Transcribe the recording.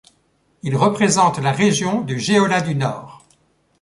Ils représentent la région du Jeolla du Nord.